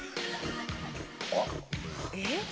えっ？